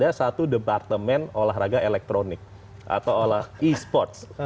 dan ada satu departemen olahraga elektronik atau olahraga e sports